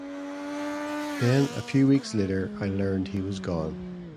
Then a few weeks later I learned he was gone.